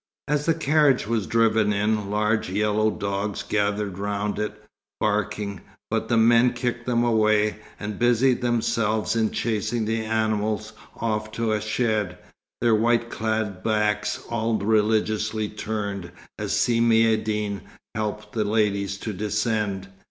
As the carriage was driven in, large yellow dogs gathered round it, barking; but the men kicked them away, and busied themselves in chasing the animals off to a shed, their white clad backs all religiously turned as Si Maïeddine helped the ladies to descend.